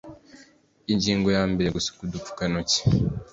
Ingingo ya mbere Gusukura udupfukantoki